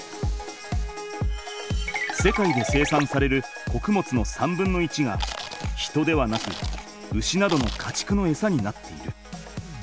世界で生産されるこくもつの３分の１が人ではなく牛などのかちくのエサになっている。